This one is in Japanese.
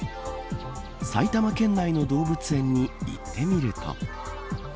埼玉県内の動物園に行ってみると。